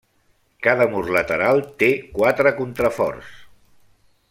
Cada mur lateral té quatre contraforts.